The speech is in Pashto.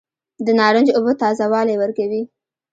د نارنج اوبه تازه والی ورکوي.